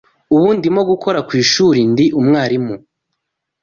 Ubu ndimo gukora ku ishuri ndi umwarimu